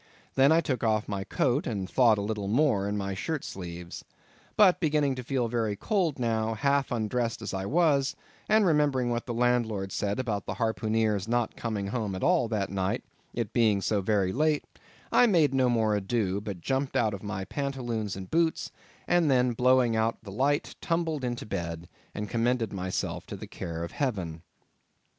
I then took off my coat, and thought a little more in my shirt sleeves. But beginning to feel very cold now, half undressed as I was, and remembering what the landlord said about the harpooneer's not coming home at all that night, it being so very late, I made no more ado, but jumped out of my pantaloons and boots, and then blowing out the light tumbled into bed, and commended myself to the care of heaven.